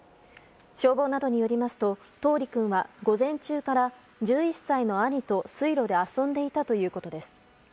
消防などによりますと柊李君は午前中から１１歳の兄と水路で遊んでいたということです。